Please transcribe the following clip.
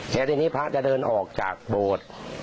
และทีนี้พระจะเดินออกจากบวช